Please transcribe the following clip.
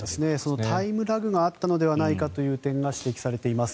そのタイムラグがあったのではないかという点が指摘されています。